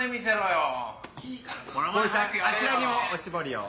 あちらにもお絞りを。